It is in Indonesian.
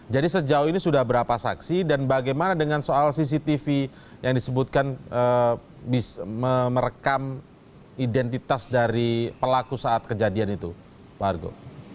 jadi sejauh ini sudah berapa saksi dan bagaimana dengan soal cctv yang disebutkan merekam identitas dari pelaku saat kejadian itu pak argo